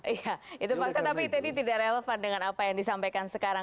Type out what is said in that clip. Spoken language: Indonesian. iya itu fakta tapi tadi tidak relevan dengan apa yang disampaikan sekarang